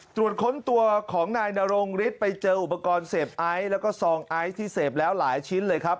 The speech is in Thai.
ตรวจค้นตัวของนายนรงฤทธิ์ไปเจออุปกรณ์เสพไอซ์แล้วก็ซองไอซ์ที่เสพแล้วหลายชิ้นเลยครับ